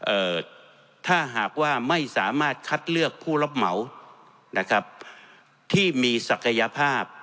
เอ่อถ้าหากว่าไม่สามารถคัดเลือกผู้รับเหมานะครับที่มีศักยภาพ